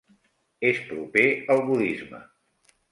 És proper al budisme.